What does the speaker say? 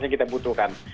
yang kita butuhkan